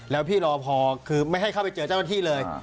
แล้วพี่รอพอคือไม่ให้เข้าไปเจอเจ้าหน้าที่เลย